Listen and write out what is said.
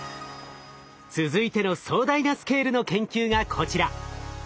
続いての壮大なスケールの研究がこちら。